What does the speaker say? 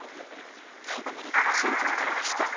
アメリカワシントンからでした。